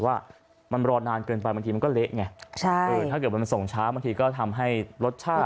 ว่ามันรอนานเกินไปบางทีมันก็เละไงใช่เออถ้าเกิดมันส่งช้าบางทีก็ทำให้รสชาติ